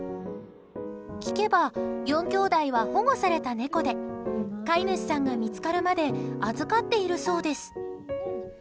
聞けば、４兄妹は保護された猫で飼い主さんが見つかるまで預かっているそうです。